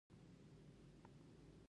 جګړه د تاریخ شرم ده